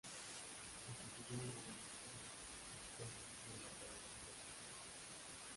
Constituyó una decisiva victoria griega sobre los persas.